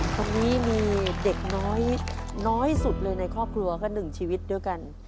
ตรงนี้มีเด็กน้อยสุดเลยในครอบครัวก็๑ชีวิตด้วยกัน